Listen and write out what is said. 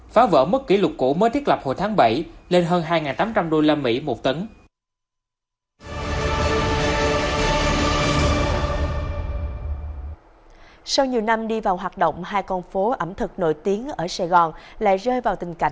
phá vỡ mức kỷ lục cũ mới thiết lập hồi tháng bảy lên hơn hai tám trăm linh usd một tấn